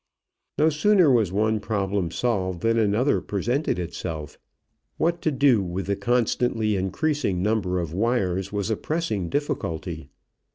No sooner was one problem solved than another presented itself. What to do with the constantly increasing number of wires was a pressing difficulty.